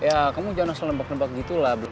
ya kamu jangan selalu nembak nembak gitu lah